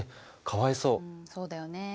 うんそうだよね。